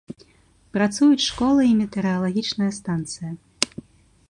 Працуюць школа і метэаралагічная станцыя.